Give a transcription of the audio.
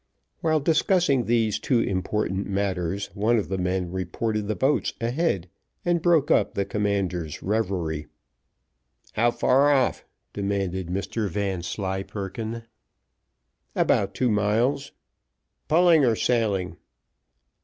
While discussing these two important matters, one of the men reported the boats ahead, and broke up the commander's reverie. "How far off?" demanded Mr Vanslyperken. "About two miles." "Pulling or sailing?"